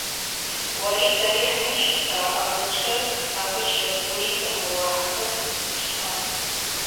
Уари сари хӏныжьхта, ауи атшы агъычра згвы йыцӏамылуа хӏкыт дштам.